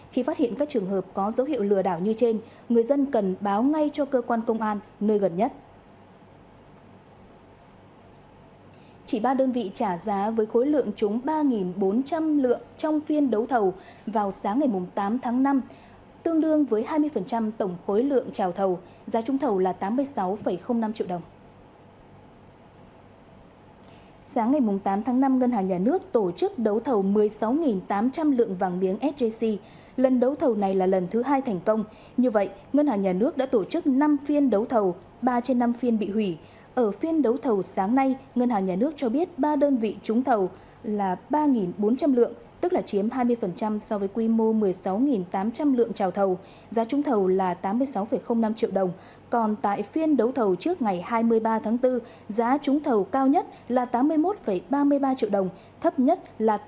khi phát hiện các trường hợp có dấu hiệu lừa đảo như trên người dân cần báo ngay cho cơ quan công an nơi gần nhất